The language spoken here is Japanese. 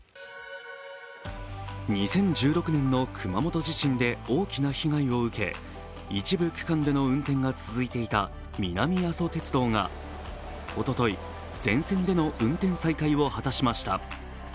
２００６年の熊本地震で大きな被害を受け一部区間での運転が続いていた南阿蘇鉄道がおととい、全線での運転再開を果たしました。